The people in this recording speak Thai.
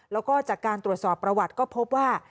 แล้วก็จากการตรวจสอบประวัติก็พบว่า